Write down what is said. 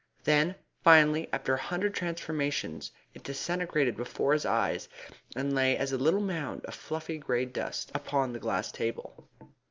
Then, finally, after a hundred transformations, it disintegrated before his eyes, and lay as a little mound of fluffy grey dust upon the glass table.